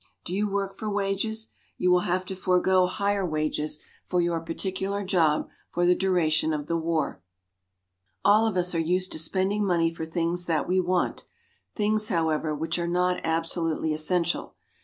Do you work for wages? You will have to forego higher wages for your particular job for the duration of the war. All of us are used to spending money for things that we want, things, however, which are not absolutely essential.